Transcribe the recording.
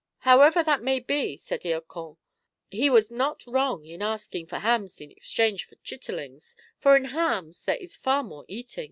" However that may be," said Hircan, " he was not wrong in asking for hams in exchange for chitterlings, for in hams there is far more eating.